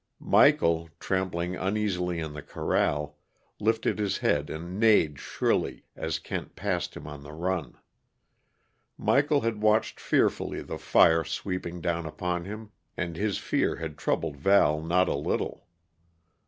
Michael, trampling uneasily in the corral, lifted his head and neighed shrilly as Kent passed him on the run. Michael had watched fearfully the fire sweeping down upon him, and his fear had troubled Val not a little.